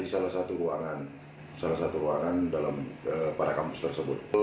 di salah satu ruangan salah satu ruangan dalam para kampus tersebut